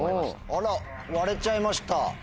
あら割れちゃいました。